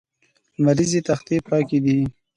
لمریزې تختې پاکې دي.